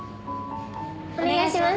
お願いします。